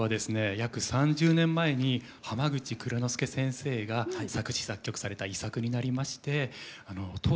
約３０年前に浜口庫之助先生が作詞作曲された遺作になりまして当時はですね